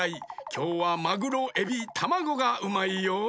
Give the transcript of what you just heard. きょうはマグロエビタマゴがうまいよ。